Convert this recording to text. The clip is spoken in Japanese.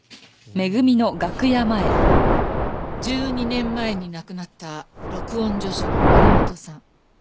１２年前に亡くなった録音助手の森本さん